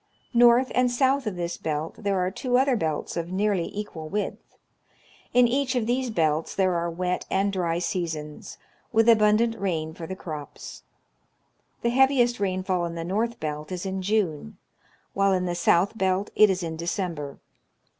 North and south of this belt there are two other belts of nearly equal width. In each of these belts there are wet and dry seasons, with abundant rain for the crops. The heaviest rainfall in the north belt is in June, while in the south belt it is in December.